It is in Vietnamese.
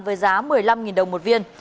với giá một mươi năm đồng một viên